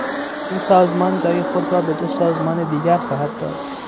این سازمان جای خود را به دو سازمان دیگر خواهد داد.